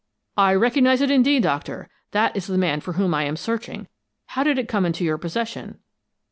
"I recognize it, indeed, Doctor. That is the man for whom I am searching. How did it come into your possession?"